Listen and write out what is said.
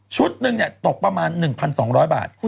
ชุดนึงเนี่ยตกประมาณ๑๒๐๐บาท